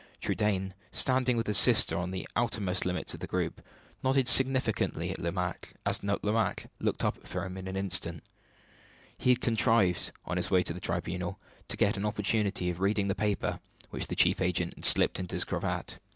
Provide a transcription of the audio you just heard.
Trudaine, standing with his sister on the outermost limits of the group, nodded significantly as Lomaque looked up at him for an instant. He had contrived, on his way to the tribunal, to get an opportunity of reading the paper which the chief agent had slipped into his cravat.